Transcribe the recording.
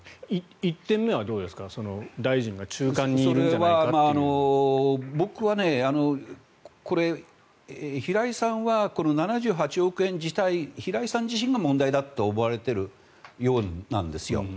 それは僕は平井さんはこの７８億円自体平井さん自身が問題だと思われているようなんですよ。